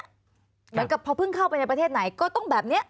เหมือนกับพอเพิ่งเข้าไปในประเทศไหนก็ต้องแบบนี้